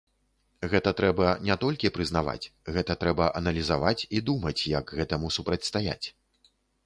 Гэта трэба не толькі прызнаваць, гэта трэба аналізаваць і думаць, як гэтаму супрацьстаяць.